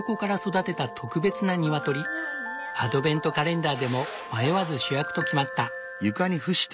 アドベントカレンダーでも迷わず主役と決まった。